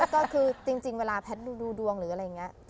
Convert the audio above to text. ก็คือจริงเวลาแพทย์ดูดวงหรืออะไรอย่างนี้